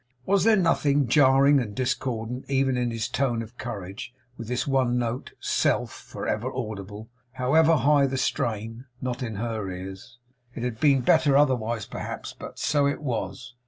Was there nothing jarring and discordant even in his tone of courage, with this one note 'self' for ever audible, however high the strain? Not in her ears. It had been better otherwise, perhaps, but so it was.